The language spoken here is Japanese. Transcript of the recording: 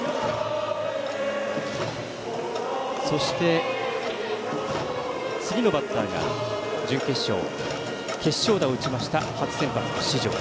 そして、次のバッターが準決勝、決勝打を打ちました四條。